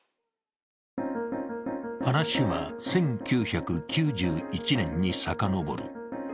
話は１９９１年にさかのぼる。